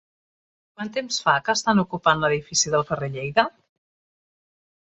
Quant temps fa que estan ocupant l'edifici del carrer Lleida?